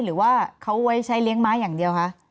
หรือว่าเขาไว้ใช้เลี้ยงม้าอย่างเดียวคะ